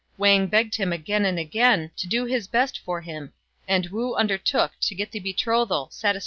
Wang begged him again and again to do his best for him, and Wu undertook to get the betrothal satisfactorily arranged.